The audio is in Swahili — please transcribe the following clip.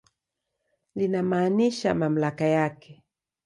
Linamaanisha mamlaka yake.